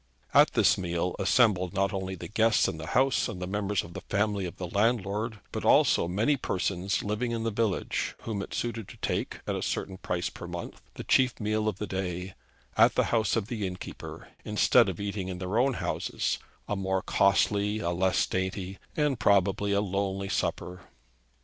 At this meal assembled not only the guests in the house and the members of the family of the landlord, but also many persons living in the village whom it suited to take, at a certain price per month, the chief meal of the day, at the house of the innkeeper, instead of eating in their own houses a more costly, a less dainty, and probably a lonely supper.